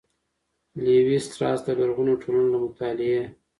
''لېوي ستراس د لرغونو ټولنو له مطالعې